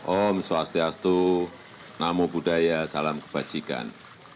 om swastiastu namo buddhaya salam kebajikan